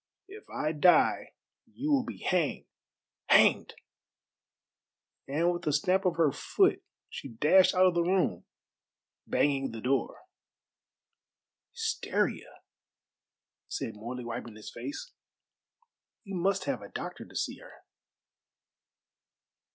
If I die you will be hanged hanged!" And with a stamp of her foot she dashed out of the room, banging the door. "Hysteria," said Morley, wiping his face, "we must have a doctor to see her."